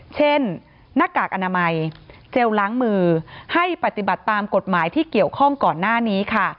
หน้ากากอนามัยเจลล้างมือให้ปฏิบัติตามกฎหมายที่เกี่ยวข้องก่อนหน้านี้ค่ะ